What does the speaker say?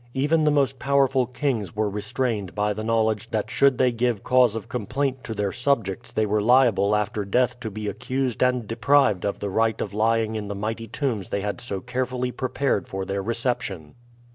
Even the most powerful kings were restrained by the knowledge that should they give cause of complaint to their subjects they were liable after death to be accused and deprived of the right of lying in the mighty tombs they had so carefully prepared for their reception.